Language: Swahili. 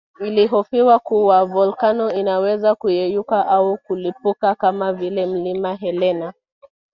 Ilihofiwa kuwa volkano inaweza kuyeyuka au kulipuka kama vile Mlima Helena